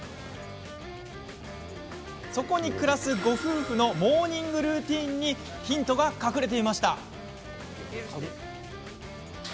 そこに暮らすご夫婦のモーニングルーティンにヒントが隠れていました。